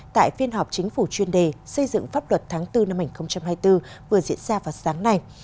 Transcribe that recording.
tại phiên họp chính phủ chuyên đề xây dựng pháp luật tháng bốn năm hai nghìn hai mươi bốn vừa diễn ra vào sáng nay